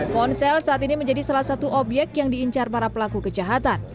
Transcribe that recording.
ponsel saat ini menjadi salah satu obyek yang diincar para pelaku kejahatan